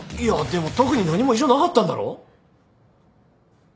いやでも特に何も異常なかったんだろう？